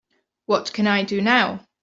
what can I do now?